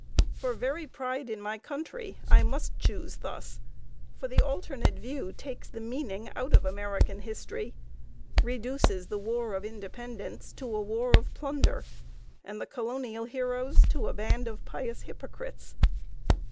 For very pride in my country I must choose thus, for the alternate view takes the meaning out of American history, reduces the War of Independence to a war of plunder, and the Colonial heroes to a band of pious hypocrites.